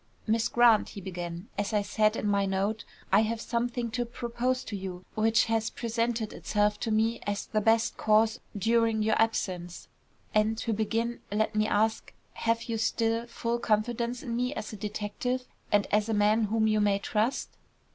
"Miss Grant," he began, "as I said in my note, I have something to propose to you which has presented itself to me as the best course during your absence; and, to begin, let me ask, have you still full confidence in me as a detective, and as a man whom you may trust?"